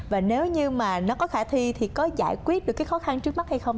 và nếu như nó có khả thi thì có giải quyết được khó khăn trước mắt hay không